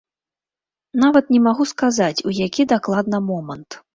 Нават не магу сказаць, у які дакладна момант.